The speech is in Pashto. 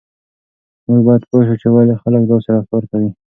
موږ باید پوه شو چې ولې خلک داسې رفتار کوي.